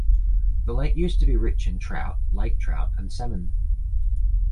The lake used to be rich in trout, lake trout and salmon.